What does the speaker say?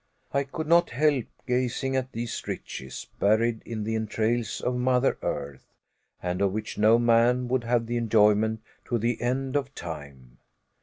I could not help gazing at these riches buried in the entrails of Mother Earth, and of which no man would have the enjoyment to the end of time!